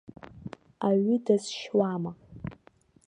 Аҩы дазшьуама.